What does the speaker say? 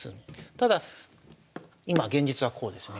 ただ今現実はこうですね。